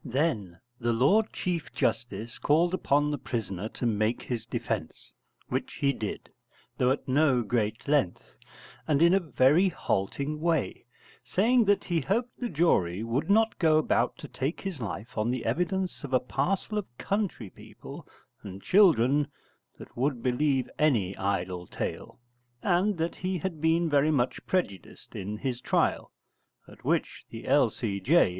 Then the Lord Chief Justice called upon the prisoner to make his defence; which he did, though at no great length, and in a very halting way, saying that he hoped the jury would not go about to take his life on the evidence of a parcel of country people and children that would believe any idle tale; and that he had been very much prejudiced in his trial; at which the L.C.J.